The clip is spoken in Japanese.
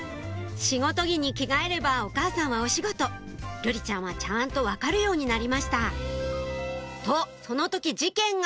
仕事着に着替えればお母さんはお仕事瑠璃ちゃんはちゃんと分かるようになりましたとその時事件が！